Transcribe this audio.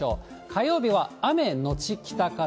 火曜日は雨後北風。